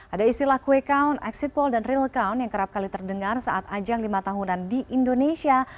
ada istilah quick count exit poll dan real count yang kerap kali terdengar saat ajang lima tahunan di indonesia